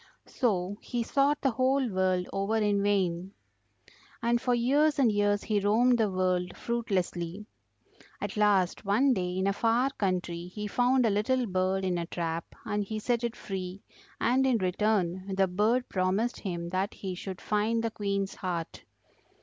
So he sought the whole world over in vain; and for years and years he roamed the world fruitlessly. At last one day in a far country he found a little bird in a trap and he set it free, and in return the bird promised him that he should find the Queen's heart.